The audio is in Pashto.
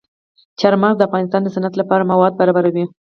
چار مغز د افغانستان د صنعت لپاره مواد برابروي.